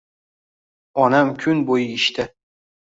Onam kun bo`yi ishda